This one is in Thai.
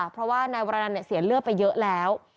เพราะว่านายวรนันเสียเลือดไปเยอะแล้ว